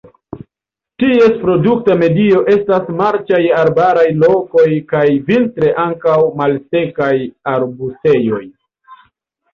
Ties reprodukta medio estas marĉaj arbaraj lokoj kaj vintre ankaŭ malsekaj arbustejoj.